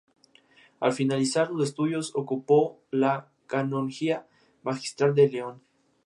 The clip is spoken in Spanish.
De esta manera permanecían fieles para las generaciones siguientes.